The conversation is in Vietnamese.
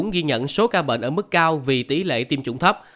bệnh ở mức cao vì tỷ lệ tiêm chủng thấp